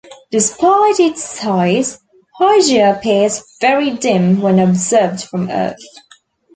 Despite its size, Hygiea appears very dim when observed from Earth.